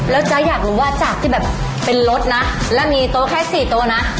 แล้วจะอยากรู้ว่าจากเป็นรถนะและมีโต้แค่๔โต้นะ